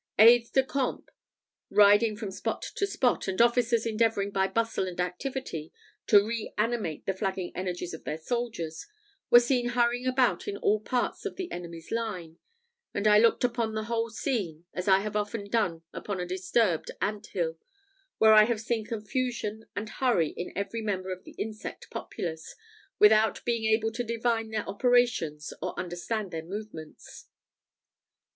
Aides de camp riding from spot to spot, and officers endeavouring by bustle and activity to re animate the flagging energies of their soldiers, were seen hurrying about in all parts of the enemy's line; and I looked upon the whole scene as I have often done upon a disturbed ant hill, where I have seen confusion and hurry in every member of the insect populace, without being able to divine their operations or understand their movements.